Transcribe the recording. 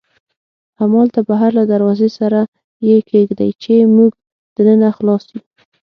همالته بهر له دروازې سره یې کېږدئ، چې موږ دننه خلاص یو.